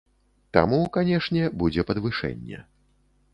Таму, канешне, будзе падвышэнне.